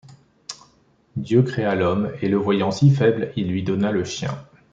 Dieu créa l’homme, et le voyant si faible, il lui donna le chien !